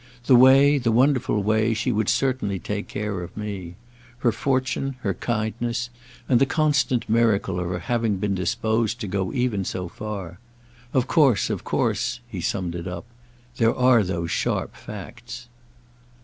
The way, the wonderful way, she would certainly take care of me. Her fortune, her kindness, and the constant miracle of her having been disposed to go even so far. Of course, of course"—he summed it up. "There are those sharp facts."